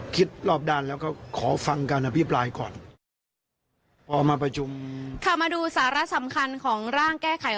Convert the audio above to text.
คิดรอบด้านแล้วก็ขอฟังการอภิปรายก่อนพอมาประจำค่ะมาดูสาระสำคัญของร่างแก้ไข